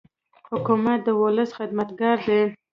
حکومت د ولس خدمتګار دی.